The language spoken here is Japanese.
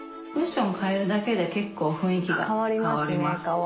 クッション替えるだけで結構雰囲気が変わります。